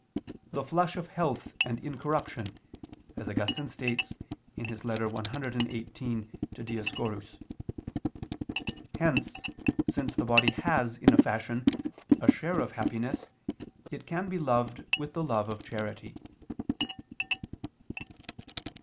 "the flush of health and incorruption," as Augustine states (Ep. ad Dioscor. cxviii). Hence, since the body has, in a fashion, a share of happiness, it can be loved with the love of charity.